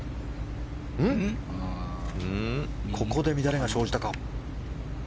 ここで乱れが生じたか？